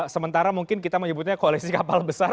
sementara mungkin kita menyebutnya koalisi kapal besar